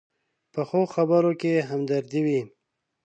پخو خبرو کې همدردي وي